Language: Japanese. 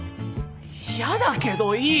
やだけどいい！